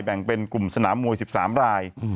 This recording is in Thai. แบ่งเป็นกลุ่มสนามมวย๑๓ราย